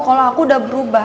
kalo aku udah berubah